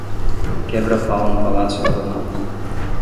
Quebra-pau no Palácio do Planalto